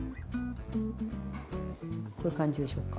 こういう感じでしょうか。